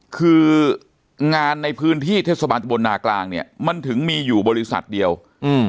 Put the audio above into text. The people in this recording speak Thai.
คืองานในพื้นที่เทศบาลตะบนนากลางเนี้ยมันถึงมีอยู่บริษัทเดียวอืม